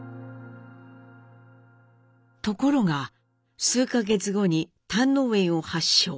ところが数か月後に胆のう炎を発症。